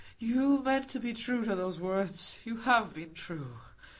You meant to be true to those words; you have been true.